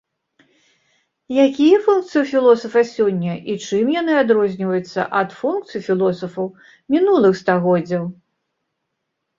Якія функцыі ў філосафа сёння і чым яны адрозніваюцца ад функцый філосафаў мінулых стагоддзяў?